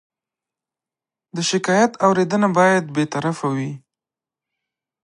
د شکایت اورېدنه باید بېطرفه وي.